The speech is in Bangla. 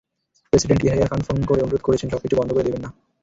প্রেসিডেন্ট ইয়াহিয়া খান ফোন করে অনুরোধ করেছেন, সবকিছু বন্ধ করে দেবেন না।